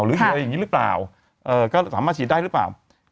หรืออะไรอย่างนี้หรือเปล่าก็สามารถฉีดได้หรือเปล่า